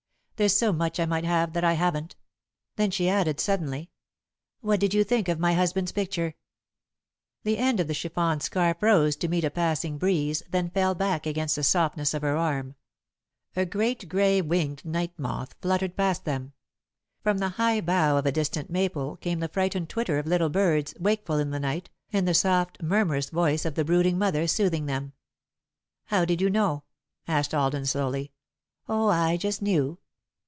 "There's so much I might have that I haven't." Then she added, suddenly: "What did you think of my husband's picture?" [Sidenote: Edith's Husband] The end of the chiffon scarf rose to meet a passing breeze, then fell back against the softness of her arm. A great grey winged night moth fluttered past them. From the high bough of a distant maple came the frightened twitter of little birds, wakeful in the night, and the soft, murmurous voice of the brooding mother, soothing them. "How did you know?" asked Alden, slowly. "Oh, I just knew.